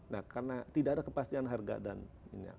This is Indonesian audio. nah karena tidak ada kepastian harga